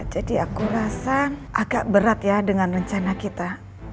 jadi aku rasa agak berat ya dengan rencana kita